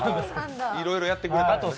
いろいろやってくれてたのね。